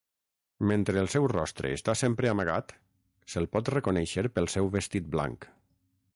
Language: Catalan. Mentre el seu rostre està sempre amagat, se'l pot reconèixer pel seu vestit blanc.